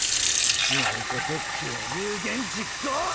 鳴子特急は有言実行！！